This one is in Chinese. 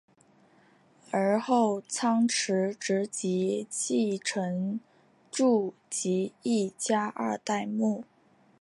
而后仓持直吉继承住吉一家二代目。